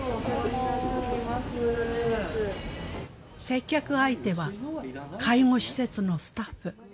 接客相手は介護施設のスタッフ。